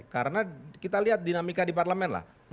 karena kita lihat dinamika di parlemen lah